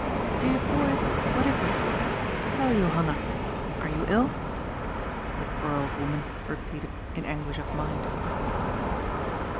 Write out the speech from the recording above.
" Dear boy, what is it? Tell Johanna. Are you ill?" the poor old woman repeated in anguish of mind.